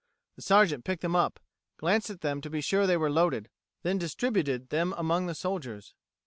The Sergeant picked them up, glanced at them to be sure they were loaded; then distributed them among the soldiers.